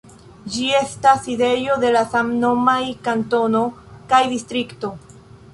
Ĝi estas sidejo de la samnomaj kantono kaj distrikto.